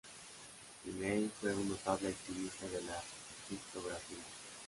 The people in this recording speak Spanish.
Finney fue un notable activista de la criptografía.